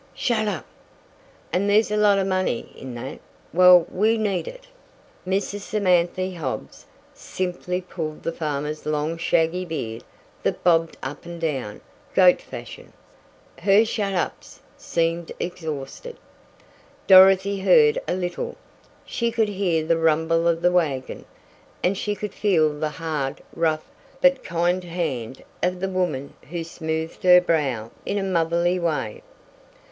"Shet up!" "And there's a lot of money in that. Well, we need it." Mrs. Samanthy Hobbs simply pulled the farmer's long shaggy beard that bobbed up and down, goat fashion. Her "shet ups" seemed exhausted. Dorothy heard a little she could hear the rumble of the wagon, and she could feel the hard, rough, but kind hand of the woman who smoothed her brow in a motherly way.